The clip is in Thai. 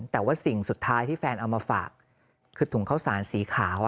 แต่ว่าสิ่งสุดท้ายที่แฟนเอามาฝากคือถุงข้าวสารสีขาว